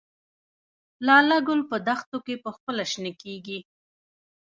لاله ګل په دښتو کې پخپله شنه کیږي؟